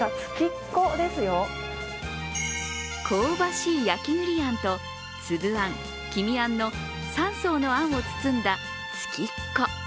こうばしい焼きぐりあんと、粒あん、黄身あんの３層のあんを包んだ槻っ子。